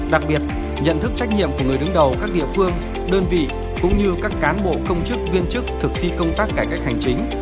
đặc biệt nhận thức trách nhiệm của người đứng đầu các địa phương đơn vị cũng như các cán bộ công chức viên chức thực thi công tác cải cách hành chính